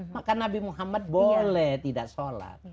maka nabi muhammad boleh tidak sholat